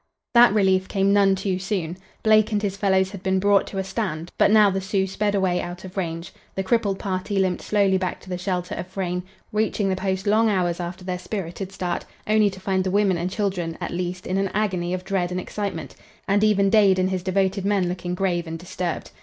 That relief came none too soon. Blake and his fellows had been brought to a stand; but now the Sioux sped away out of range; the crippled party limped slowly back to the shelter of Frayne, reaching the post long hours after their spirited start, only to find the women and children, at least, in an agony of dread and excitement, and even Dade and his devoted men looking grave and disturbed.